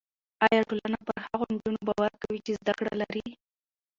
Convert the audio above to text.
ایا ټولنه پر هغو نجونو باور کوي چې زده کړه لري؟